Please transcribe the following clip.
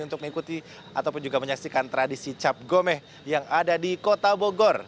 untuk mengikuti ataupun juga menyaksikan tradisi cap gomeh yang ada di kota bogor